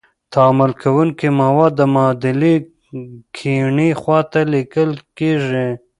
تعامل کوونکي مواد د معادلې کیڼې خواته لیکل کیږي.